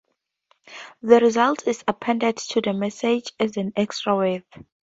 The result is appended to the message as an extra word.